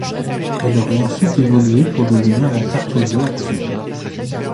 Elle aurait ensuite évolué pour devenir la tarte aux œufs actuelle.